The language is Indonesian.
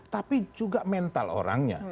tapi juga mental orangnya